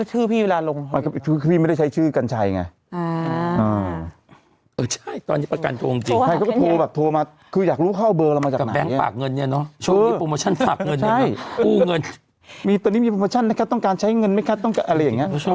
ชื่อพี่เวลาลงพี่ไม่ได้ใช้ชื่อกันชัยไงอ่าอ่าเออใช่ตอนนี้ประกันโทรมาจริงจริง